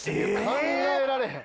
考えられへん。